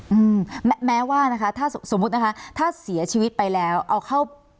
อืมแม้แม้ว่านะคะถ้าสมมุตินะคะถ้าเสียชีวิตไปแล้วเอาเข้า